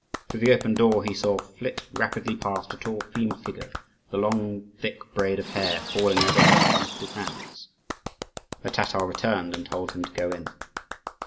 Through the open door he saw flit rapidly past a tall female figure, with a long thick braid of hair falling over her uplifted hands. The Tatar returned and told him to go in.